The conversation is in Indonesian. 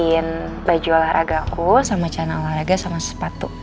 siapin baju olahragaku sama calon olahraga sama sepatu